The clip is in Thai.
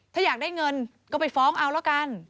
ถ้าอยากได้เงินก็ไปฟ้องเอาละกัน